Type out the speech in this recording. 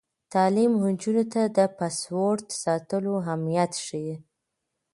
تعلیم نجونو ته د پاسورډ ساتلو اهمیت ښيي.